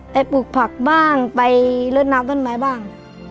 ปลูกผักบ้างไปลดน้ำต้นไม้บ้าง